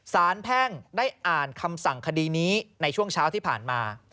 แพ่งได้อ่านคำสั่งคดีนี้ในช่วงเช้าที่ผ่านมา